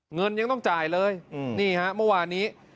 เงินยังต้องจ่ายเลยนี่ฮะเมื่อวานนี้